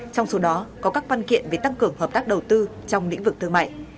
trong số đó có các văn kiện về tăng cường hợp tác đầu tư trong lĩnh vực thương mại